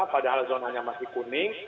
padahal zonanya masih kuning